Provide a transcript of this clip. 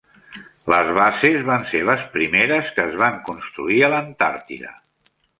Les bases van ser les primeres que es van construir a l'Antàrtida.